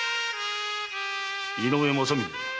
井上正峯。